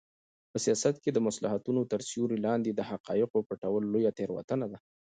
په سیاست کې د مصلحتونو تر سیوري لاندې د حقایقو پټول لویه تېروتنه ده.